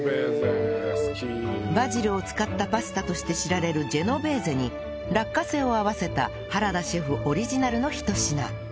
バジルを使ったパスタとして知られるジェノベーゼに落花生を合わせた原田シェフオリジナルのひと品